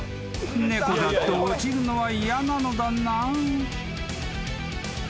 ［猫だって落ちるのは嫌なのだな］